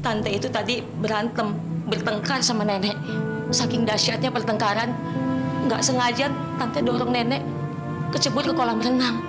tante itu tadi berantem bertengkar sama nenek saking dasyatnya pertengkaran nggak sengaja tante dorong nenek kecebur ke kolam renang